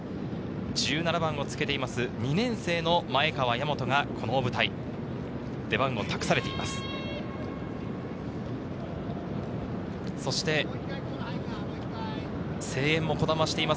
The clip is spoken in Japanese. １７番をつけている２年生の前川大和がこの舞台、出番を託されています。